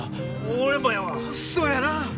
そうやな。